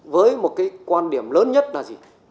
với một cái quan điểm lớn nhất là gì